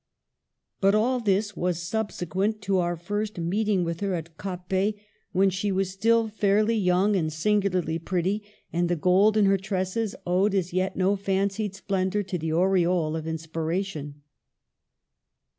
But all this was subsequent to our first meeting with her at Coppet, when she was still fairly 8 Digitized by VjOOQIC 114 MADAME DE STA&L. young and singularly pretty, and the gold in her tresses owed as yet no fancied splendor to the aureole of inspiration.